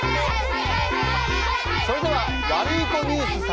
それではワルイコニュース様。